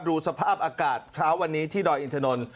ดูสภาพอากาศเช้าวันนี้ที่ดอยอินทนนท